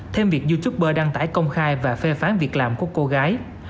thêm việc youtuber đăng tải công khai và phê phán việc làm của cô gái